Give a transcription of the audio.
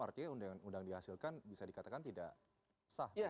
artinya undang undang dihasilkan bisa dikatakan tidak sah